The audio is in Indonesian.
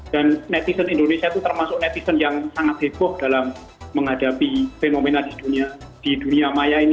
dan netizen indonesia itu termasuk netizen yang sangat heboh dalam menghadapi fenomena di dunia maya ini